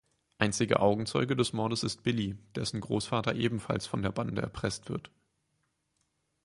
Einziger Augenzeuge des Mordes ist Billy, dessen Großvater ebenfalls von der Bande erpresst wird.